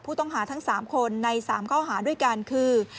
ผู้ต้องหาทั้ง๓คนใน๓ข้อหาด้วยกันคือ